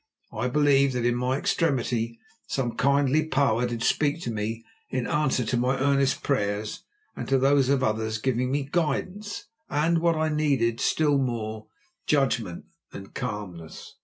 I believe that in my extremity some kindly Power did speak to me in answer to my earnest prayers and to those of others, giving me guidance and, what I needed still more, judgment and calmness.